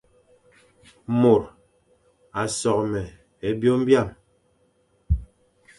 Môr a soghé me é byôm hyam,